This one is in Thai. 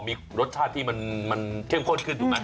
มีรสชาติที่มันเข้มข้นขึ้นถูกไหม